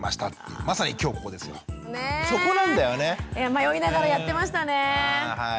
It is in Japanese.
迷いながらやってましたね。